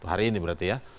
hari ini berarti ya